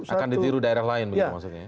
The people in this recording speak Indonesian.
akan ditiru daerah lain begitu maksudnya